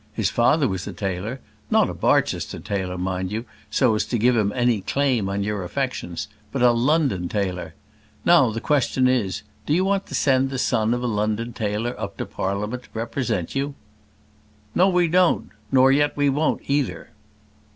His father was a tailor; not a Barchester tailor, mind you, so as to give him any claim on your affections; but a London tailor. Now the question is, do you want to send the son of a London tailor up to Parliament to represent you?" "No, we don't; nor yet we won't either."